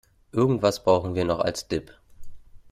Irgendwas brauchen wir noch als Dip.